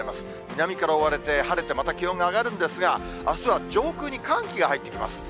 南から覆われて、晴れてまた気温が上がるんですが、あすは上空に寒気が入ってきます。